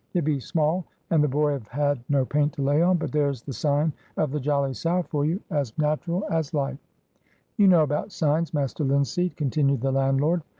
It be small, and the boy've had no paint to lay on, but there's the sign of the Jolly Sow for you, as natteral as life. You know about signs, Master Linseed," continued the landlord.